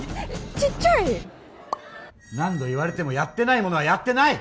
ちっちゃい何度言われてもやってないものはやってない！